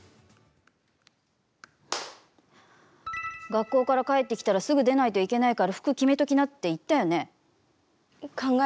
学校から帰ってきたらすぐに出ないといけないから服決めときなって言ったよね。